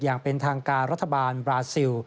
อย่างเป็นทางการรัฐบาลบราซิล